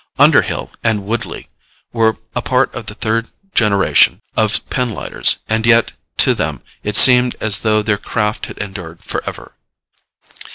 Underhill and Woodley were a part of the third generation of pinlighters and yet, to them, it seemed as though their craft had endured forever.